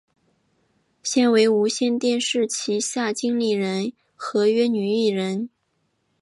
现为无线电视旗下经理人合约女艺员。